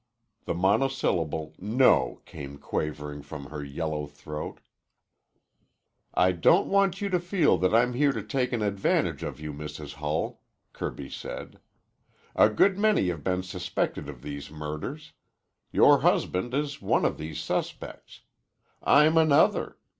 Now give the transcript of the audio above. The monosyllable "No" came quavering from her yellow throat. "I don't want you to feel that I'm here to take an advantage of you, Mrs. Hull," Kirby said. "A good many have been suspected of these murders. Your husband is one of these suspects. I'm another.